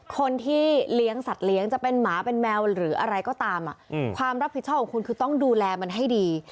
คนที่เลี้ยงสัตว์เลี้ยงจะเป็นหมาเป็นแมวหรืออะไรก็ตามความรับผิดชอบของคุณคือต้องดูแลมันให้ดี